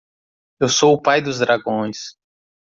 Eu sou o pai dos dragões.